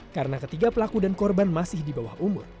karena ketiga pelaku dan korban masih di bawah umur